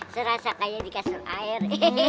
serasa kayak di kasur air